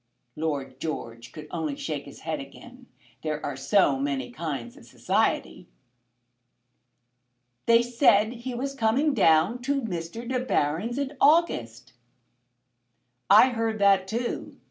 Lord George could only shake his head again. There are so many kinds of society! "They said he was coming down to Mr. De Baron's in August." "I heard that too.